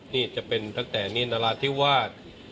นี่จะเป็นตั้งแต่นี่นราธิวาส